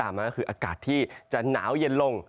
อากาศที่จะหนาวเย็นลง